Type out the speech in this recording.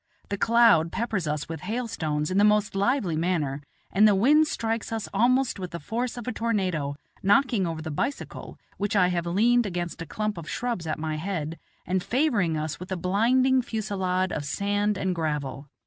The cloud peppers us with hailstones in the most lively manner, and the wind strikes us almost with the force of a tornado, knocking over the bicycle, which I have leaned against a clump of shrubs at my head, and favoring us with a blinding fusilade of sand and gravel.